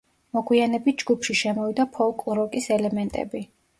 მოგვიანებით ჯგუფში შემოვიდა ფოლკ-როკის ელემენტები.